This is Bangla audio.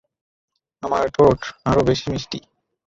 আমার ঠোঁট আরও বেশি মিষ্টি।